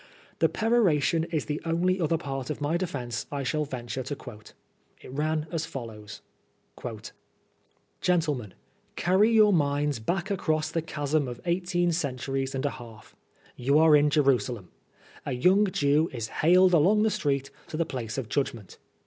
The peroration is the only other part of my defence I shall venture to quote. It ran as follows :_" Gentlemen, carry your minds back across the chasm of eighteen centimes and a half. You are in Jerusalem. A young Jew is haled along the street to the place of judgment.